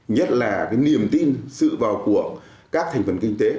nhất là niềm tin sự vào cuộc các thành phần kinh tế